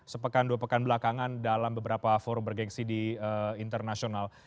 sepekan dua pekan belakangan dalam beberapa forum bergensi di internasional